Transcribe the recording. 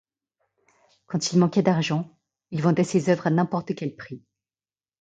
Quand il manquait d'argent il vendait ses œuvres à n'importe quel prix.